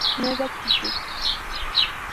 Nueva actitud"".